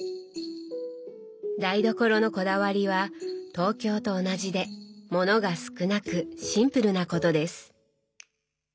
台所のこだわりは東京と同じで物が少なくシンプルなことです。